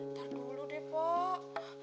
ntar dulu deh pak